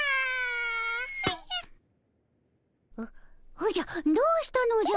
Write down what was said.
おじゃどうしたのじゃ？